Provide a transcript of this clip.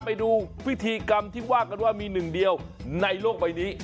ไปดูพิธีกรรมที่ว่ากันว่ามีหนึ่งเดียวในโลกใบนี้